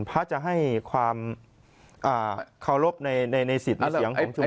พระจะให้ความเคารพในสิทธิ์ในเสียงของชุม